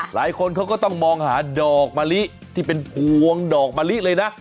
หลายคนเขาก็ต้องมองหาดอกมะลิที่เป็นพวงดอกมะลิเลยนะ